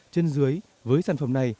chân dưới với sản phẩm này